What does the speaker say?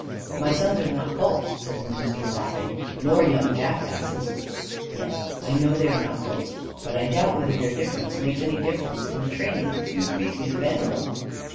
"My sons are not colts," said the minister, laughing. "Nor young jackasses!" "Yes, I know they are not colts; but I doubt whether their difference makes any difference in the training of the two species of animal."